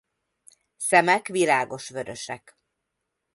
Szemek világos vörösek.